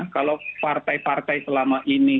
kalau partai partai selama ini